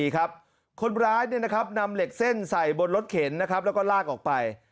คนร้ายนำเหล็กเส้นใส่บนรถเข็นนะครับแล้วก็ลากออกไป